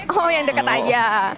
oh yang deket aja